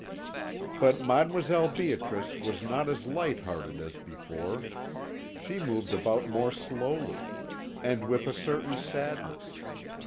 "But Mdlle. Beatrice was not as light hearted as before; she moved about more slowly, and with a certain sadness.